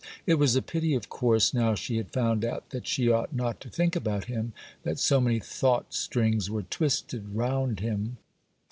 It was a pity, of course, now she had found out that she ought not to think about him, that so many thought strings were twisted round him.